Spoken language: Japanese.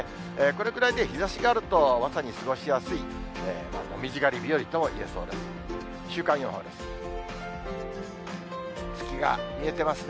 これくらいで日ざしがあると、まさに過ごしやすい、紅葉狩り日和ともいえそうです。